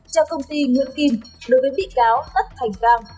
cho công ty nguyễn kim đối với bị cáo tất thành cang